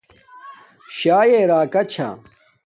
شاݵ راکا چھا